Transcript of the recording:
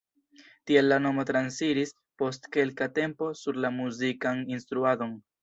Tiel la nomo transiris post kelka tempo sur la muzikan instruadon.